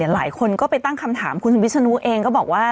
หลายคนก็ไปตั้งคำถามคุณวิศนุเองก็บอกว่า